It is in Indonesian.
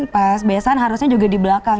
pas besan harusnya juga di belakang